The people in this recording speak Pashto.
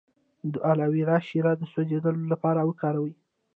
د الوویرا شیره د سوځیدو لپاره وکاروئ